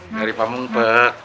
dari pamung pek